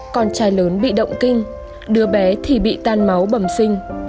con trai lớn bị động kinh đứa bé thì bị tan máu bẩm sinh